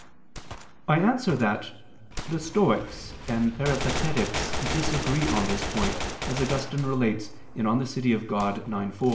I answer that, The Stoics and Peripatetics disagreed on this point, as Augustine relates (De Civ. Dei ix, 4).